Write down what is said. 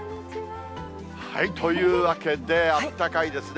というわけで、あったかいですね。